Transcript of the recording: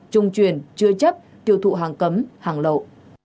trung truyền chưa chấp tiêu thụ hàng cấm hàng lậu